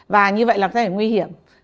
và như vậy là có thể nguy hiểm